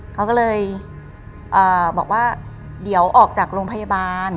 เขาก็เลยบอกว่าเดี๋ยวออกจากโรงพยาบาล